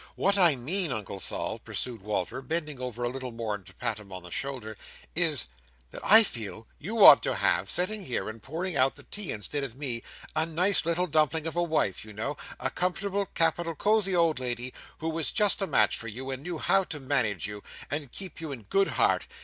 "What I mean, Uncle Sol," pursued Walter, bending over a little more to pat him on the shoulder, "is, that then I feel you ought to have, sitting here and pouring out the tea instead of me, a nice little dumpling of a wife, you know,—a comfortable, capital, cosy old lady, who was just a match for you, and knew how to manage you, and keep you in good heart.